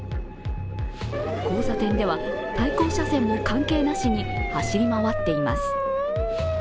交差点では対向車線も関係なしに走り回っています。